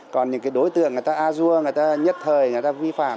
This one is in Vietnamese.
còn những đối tượng người ta a dua người ta nhất thời người ta vi phạm